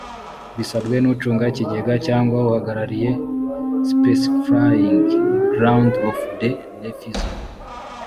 bisabwe n ucunga ikigega cyangwa uhagarariye specifying grounds of the refusal